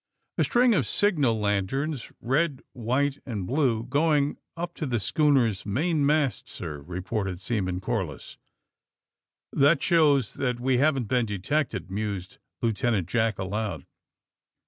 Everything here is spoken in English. "A string of signal lanterns, red, white and blue, going up to the schooner's mainmast, sir," reported Seaman Corliss. "That shows that we haven't been detected, mused Lieutenant Jack aloud.